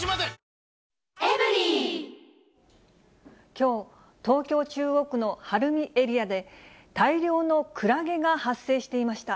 きょう、東京・中央区の晴海エリアで、大量のクラゲが発生していました。